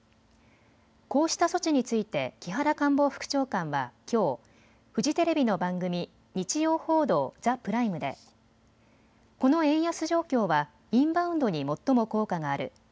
こうした措置について木原官房副長官はきょう、フジテレビの番組、日曜報道ＴＨＥＰＲＩＭＥでこの円安状況はインバウンドに最も効果がある。